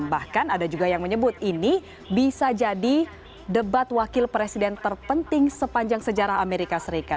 dan bahkan ada juga yang menyebut ini bisa jadi debat wakil presiden terpenting sepanjang sejarah amerika serikat